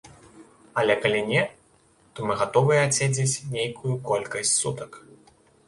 Але калі не, то мы гатовыя адседзець нейкую колькасць сутак!